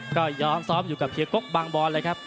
ก็ยอมซ้อมอยู่กับเฮีก๊กบางบอนเลยครับ